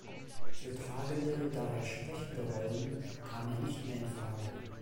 Für tragende, daher sprechende Rollen kam er nicht mehr in Frage.